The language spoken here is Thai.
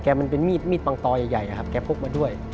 มันเป็นมีดปังตอใหญ่แกพกมาด้วย